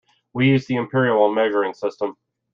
We used the imperial measuring system.